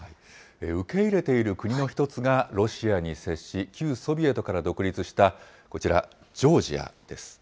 受け入れている国の１つが、ロシアに接し、旧ソビエトから独立したこちら、ジョージアです。